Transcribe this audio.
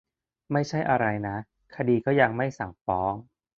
ไม่ใช่อะไรนะ คดีก็ยังไม่สั่งฟ้อง